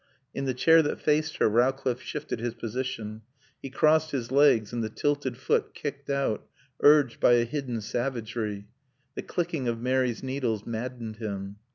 In the chair that faced her Rowcliffe shifted his position. He crossed his legs and the tilted foot kicked out, urged by a hidden savagery. The clicking of Mary's needles maddened him.